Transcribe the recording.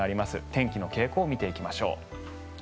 天気の傾向を見ていきましょう。